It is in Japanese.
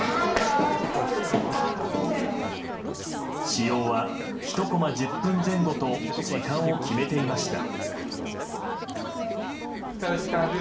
使用は１コマ１０分前後と時間を決めていました。